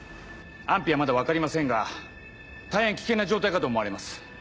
安否はまだ分かりませんが大変危険な状態かと思われます。